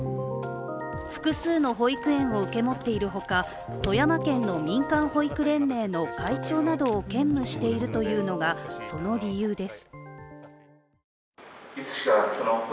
複数の保育園を受け持っているほか富山県の民間保育連盟の会長などを兼務しているというのがその理由です。